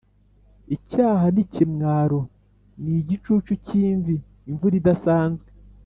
icyaha n'ikimwaro ni igicucu cy'imvi, imvura idasanzwe.